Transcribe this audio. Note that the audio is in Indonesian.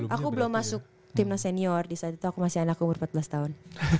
aku belum masuk tim nas senior disaat itu aku masih anak umur empat belas tahun